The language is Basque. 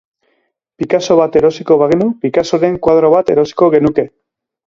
Picasso bat erosiko bagenu, Picassoren koadro bat erosiko genuke.